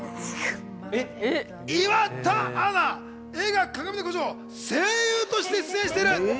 岩田アナ、映画『かがみの孤城』に声優として出演している！